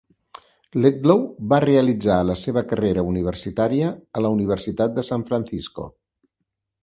Letlow va realitzar la seva carrera universitària a la Universitat de San Francisco.